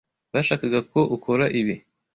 Bashakaga ko ukora ibi.